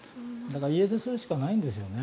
だから家出するしかないんですよね。